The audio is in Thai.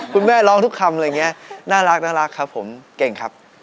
คุณแม่ร้องทุกคำอะไรอย่างนี้น่ารักครับผมเก่งครับ